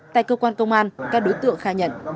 tại cơ quan công an các đối tượng khai nhận